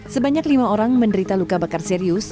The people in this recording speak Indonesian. sebanyak lima orang menderita luka bakar serius